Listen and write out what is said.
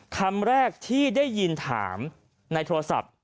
คำแรกที่ได้ยินถามในโทรศัพท์